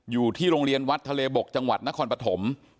อยู่ที่โรงเรียนวัดทะเลบกจังหวัดนครปฐม